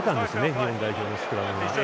日本代表のスクラムが。